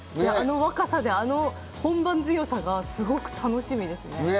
あの若さであの本番での強さがすごく楽しみですね。